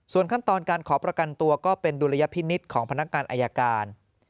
ส่วนขั้นตอนการขอประกันตัวก็เป็นดุลยพินิษฐ์ของพนักงานอายการ